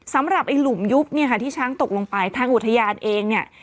สำหรับไอ้หลุมยุบเนี่ยค่ะที่ช้างตกลงไปทางอุทยานเองเนี่ย